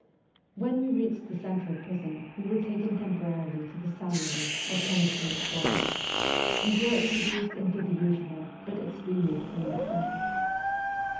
When we reached the central prison we were taken temporarily to the cellular, or punishment quarters, and were introduced into the usual but extremely clean cells.